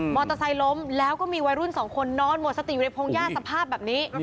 เตอร์ไซค์ล้มแล้วก็มีวัยรุ่นสองคนนอนหมดสติอยู่ในพงหญ้าสภาพแบบนี้